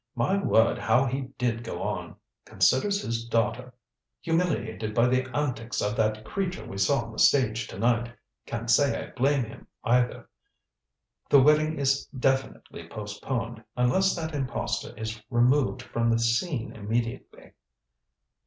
My word, how he did go on. Considers his daughter humiliated by the antics of that creature we saw on the stage to night. Can't say I blame him, either. The wedding is indefinitely postponed, unless that impostor is removed from the scene immediately."